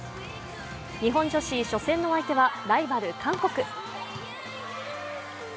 日本女子初戦の相手はライバル、韓国。